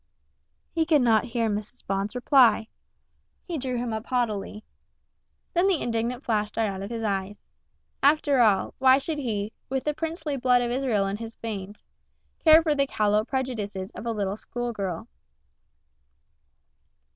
He could not hear Mrs. Bond's reply. He drew himself up haughtily. Then the indignant flash died out of his eyes. After all, why should he, with the princely blood of Israel in his veins, care for the callow prejudices of a little school girl?